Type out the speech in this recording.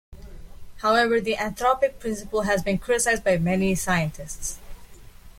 However, the anthropic principle has been criticised by many scientists.